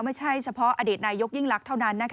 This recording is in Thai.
ไม่ใช่เฉพาะอดีตนายกยิ่งลักษณ์เท่านั้น